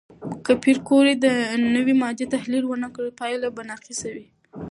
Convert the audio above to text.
که پېیر کوري د نوې ماده تحلیل ونه کړي، پایله به ناقصه وي.